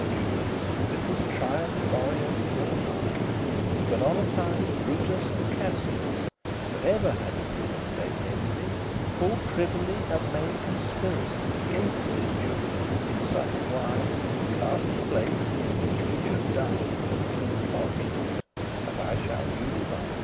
*end To Rome again repaired Julius, With his triumphe laureate full high; But on a time Brutus and Cassius, That ever had of his estate envy, Full privily have made conspiracy Against this Julius in subtle wise And cast* the place in which he shoulde die, *arranged With bodekins,* as I shall you devise.